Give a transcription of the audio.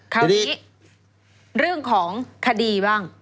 คราวนี้เรื่องของคดีบ้าง